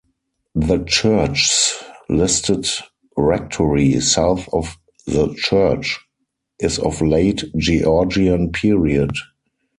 The church's listed rectory, south of the church, is of late Georgian period.